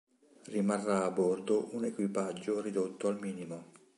Rimarrà a bordo un equipaggio ridotto al minimo.